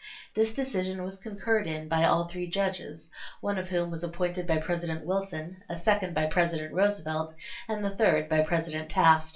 This decision was concurred in by all three judges, one of whom was appointed by President Wilson, a second by President Roosevelt and the third by President Taft.